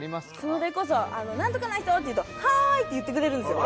それこそ「何とかな人？」って言うと「はい！」って言ってくれるんですよ